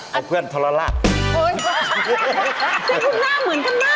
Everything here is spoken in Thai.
เขาเพื่อนทรลาราฮิกเลยนะครับเฉพาะครับแล้วคุณหน้ามือนกันมากเลยค่ะ